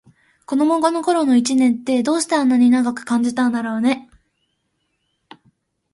子どもの頃の一年って、どうしてあんなに長く感じたんだろうね。